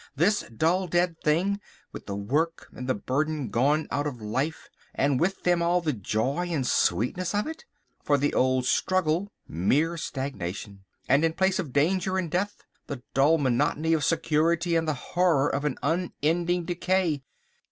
This dull, dead thing, with the work and the burden gone out of life, and with them all the joy and sweetness of it. For the old struggle—mere stagnation, and in place of danger and death, the dull monotony of security and the horror of an unending decay!